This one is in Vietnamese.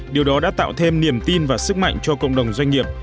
điều đó đã tạo thêm niềm tin và sức mạnh cho cộng đồng doanh nghiệp